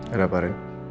ada apa hari